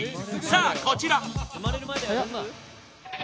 さあ、こちら